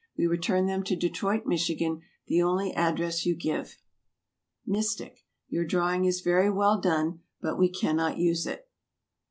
We return them to Detroit, Michigan, the only address you give. "MYSTIC." Your drawing is very well done, but we can not use it.